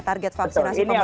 target vaksinasi pemerintah